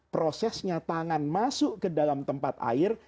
prosesnya tangan masuk ke dalam tempat air